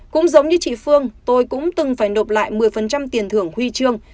cũng giống như chị phương tôi cũng từng phải nộp lại một mươi tiền thưởng huy chương